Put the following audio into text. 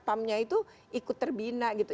pam nya itu ikut terbina gitu